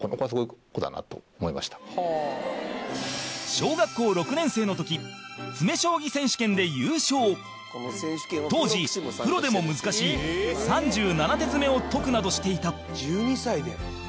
小学校６年生の時詰将棋選手権で優勝当時、プロでも難しい３７手詰を解くなどしていた伊達：１２歳で？